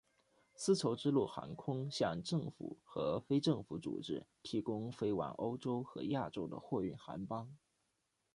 丝绸之路航空向政府和非政府组织提供飞往欧洲和亚洲的货运航班。